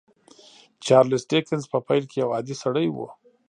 چارليس ډيکنز په پيل کې يو عادي سړی و.